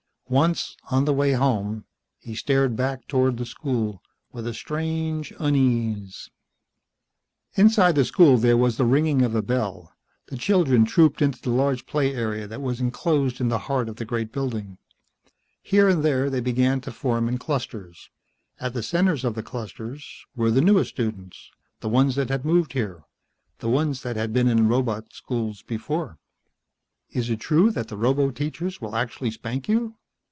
Once, on the way home, he stared back toward the school with strange unease. Inside the school there was the ringing of a bell. The children trooped into the large play area that was enclosed in the heart of the great building. Here and there they began to form in clusters. At the centers of the clusters were the newest students, the ones that had moved here, the ones that had been in the robot schools before. "Is it true that the roboteachers will actually spank you?"